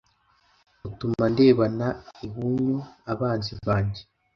utuma ndebana ihinyu abanzi banjye